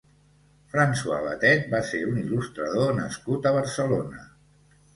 François Batet va ser un il·lustrador nascut a Barcelona.